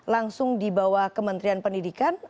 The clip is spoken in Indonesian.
atau langsung di bawah kementrian pendidikan